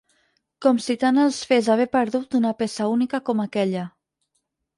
Com si tant els fes haver perdut una peça única com aquella.